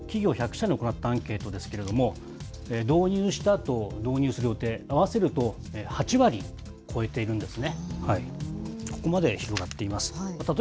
ＮＨＫが主要企業１００社に行ったアンケートですけれども、導入したと、導入する予定、合わせると８割超えているんですね。